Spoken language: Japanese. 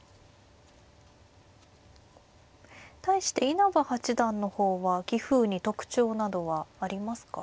対して稲葉八段の方は棋風に特徴などはありますか？